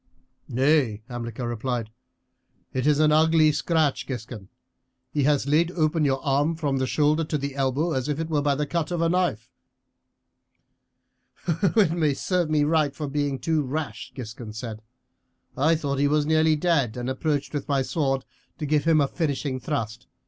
"Nay," Hamilcar replied, "it is an ugly scratch, Giscon; he has laid open your arm from the shoulder to the elbow as if it were by the cut of a knife." "It served me right for being too rash," Giscon said. "I thought he was nearly dead, and approached with my sword to give him a finishing thrust.